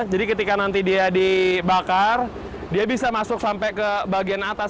jadi ketika nanti dia dibakar dia bisa masuk sampai ke bagian atas